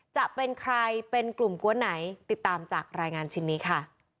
จะเป็นใครเป็นกลุ่มกวนไหนติดตามจากรายงานชิ้นนี้ค่ะ